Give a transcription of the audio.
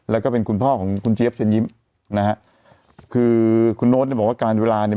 แล้วก็เป็นคุณพ่อของคุณเจี๊ยบเชิญยิ้มนะฮะคือคุณโน๊ตเนี่ยบอกว่าการเวลาเนี่ย